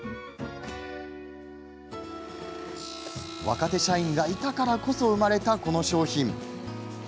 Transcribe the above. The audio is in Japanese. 若手社員がいたからこそ生まれたこの商品。